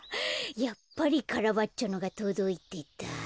やっぱりカラバッチョのがとどいてた。